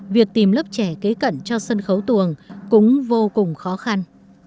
việc tìm lớp trẻ kế cận cho sân khấu tuồng cũng vô cùng khó khăn